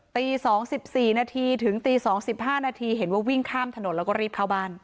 ตีสองสิบสี่นาทีถึงตีสองสิบห้านาทีเห็นว่าวิ่งข้ามถนนแล้วก็รีบเข้าบ้าน